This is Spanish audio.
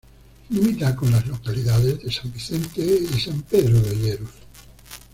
Limita con las localidades de San Vicente y San Pedro de Olleros.